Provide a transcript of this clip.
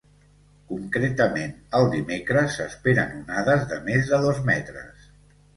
Concretament, el dimecres s’esperen onades de més de dos metres.